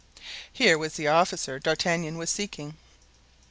Here was the officer D'Artagnan was seeking.